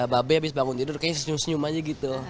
babe abis bangun tidur kayaknya senyum senyum aja gitu